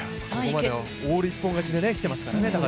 オール一本勝ちで来てますからね。